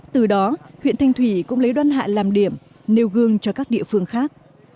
từ đó huyện thanh thủy cũng lấy đoàn hạ làm điểm nêu gương cho các địa phương khác